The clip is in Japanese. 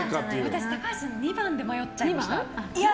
私高橋さん２番で迷っちゃいました。